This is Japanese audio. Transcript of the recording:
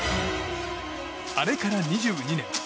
あれから２２年。